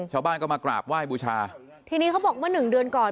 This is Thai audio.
ชาวบ้านก็มากราบไหว้บูชาทีนี้เขาบอกเมื่อหนึ่งเดือนก่อน